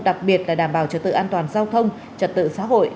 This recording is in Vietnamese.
đặc biệt là đảm bảo trật tự an toàn giao thông trật tự xã hội